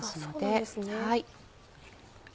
そうなんですね。